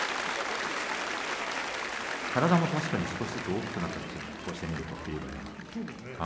体も確かに少しずつ大きくなっていますね霧馬山。